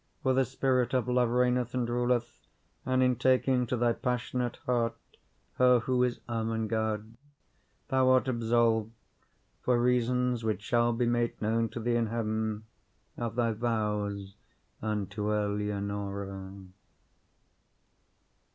for the Spirit of Love reigneth and ruleth, and, in taking to thy passionate heart her who is Ermengarde, thou art absolved, for reasons which shall be made known to thee in Heaven, of thy vows unto Eleonora."